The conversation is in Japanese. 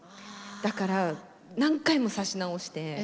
だから何回も挿し直してそう。